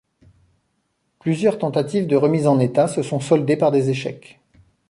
Plusieurs tentatives de remise en état se sont soldées par des échecs.